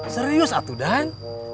serius atu dan